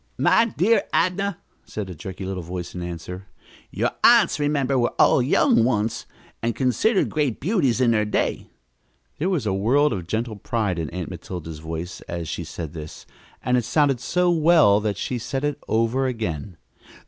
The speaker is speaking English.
"My dear Adnah," said a jerky little voice in answer, "your aunts, remember, were all young once, and considered great beauties in their day." There was a world of gentle pride in Aunt Matilda's voice as she said this, and it sounded so well that she said it over again.